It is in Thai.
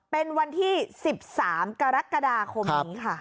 เป็นวันที่๑๓กรกฎาคมนี้ค่ะ